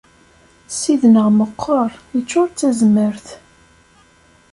Ssid-nneɣ meqqer, iččur d tazmert.